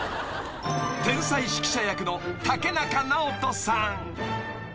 ［天才指揮者役の竹中直人さん］